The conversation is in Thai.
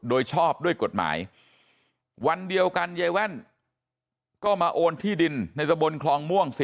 โดยชอบด้วยกฎหมายวันเดียวกันยายแว่นก็มาโอนที่ดินในตะบนคลองม่วง